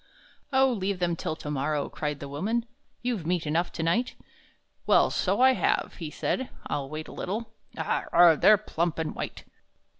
"O, leave them till to morrow!" cried the woman; "You've meat enough to night." "Well, so I have," he said, "I'll wait a little. Ah! ugh! they're plump and white."